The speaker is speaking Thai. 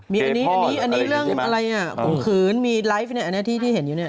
มีอันนี้เรื่องของขืนมีไลฟ์ที่เห็นอยู่เนี่ย